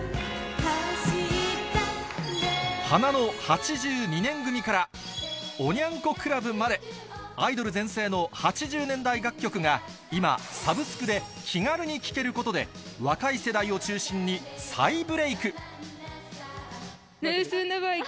花の８２年組からおニャン子クラブまで、アイドル全盛の８０年代楽曲が今、サブスクで気軽に聴けることで、若い世代を中心に再ブレーク。